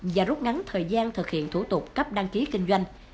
và rút ngắn thời gian thực hiện thủ tục cấp đăng ký kinh doanh